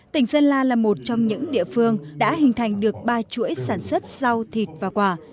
tỉnh sơn la là một trong những địa phương đã hình thành được ba chuỗi sản xuất rau thịt và quả